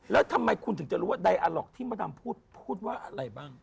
แล้วทำไมคุณถึงจะรู้ว่าไดอาล็อกที่มดดำพูดพูดว่าอะไรบ้าง